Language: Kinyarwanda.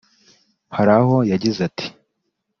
Hari aho yagize ati